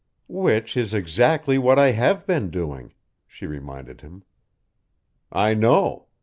"Which is exactly what I have been doing," she reminded him. "I know.